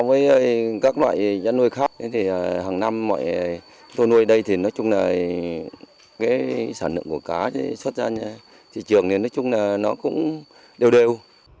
với các loại cá nuôi khác hàng năm tôi nuôi đây sản lượng của cá xuất ra thị trường cũng đều đều